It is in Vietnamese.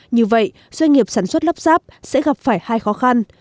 như vậy doanh nghiệp sản xuất lắp ráp sẽ gặp phải hai khó khăn